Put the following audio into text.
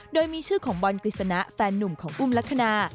โดยมีชื่อของบอลกฤษณะแฟนนุ่มของอุ้มลักษณะ